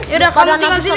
yaudah kamu tinggal sini